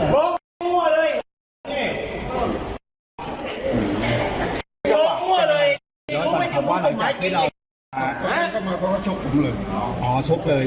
โรงโหลพูดไว้ทุกวันเลย